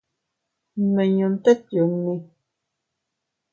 Nmiñune tet yunni.